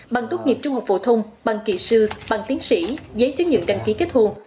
bằng tốt nghiệp trung học phổ thông bằng kỳ sư bằng tiến sĩ giấy chứng nhận đăng ký kết hôn